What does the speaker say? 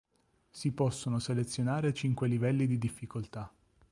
Si possono selezionare cinque livelli di difficoltà.